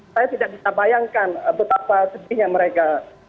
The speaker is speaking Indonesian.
saya tidak bisa bayangkan betapa sedihnya mereka